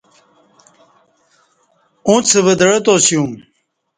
اُنڅ ودعہ تاسیوم